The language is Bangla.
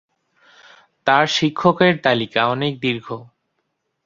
তার শিক্ষকের তালিকা অনেক দীর্ঘ।